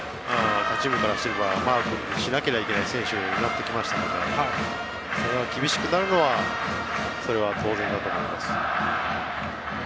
他チームからすればマークしなければいけない選手になってきたので厳しくなるのはそれは当然だと思います。